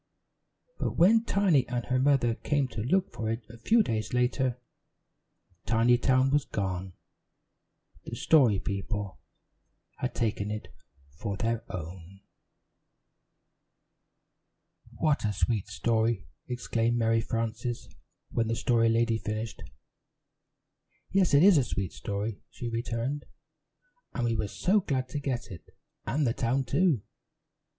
But when Tiny and her mother came to look for it a few days later, Tinytown was gone. The Story People had taken it for their own. [Illustration: "MOTHER!" SHE CRIED. "OH, MOTHER!"] "What a sweet story!" exclaimed Mary Frances, when the Story Lady finished. "Yes, it is a sweet story," she returned, "and we were so glad to get it, and the town, too.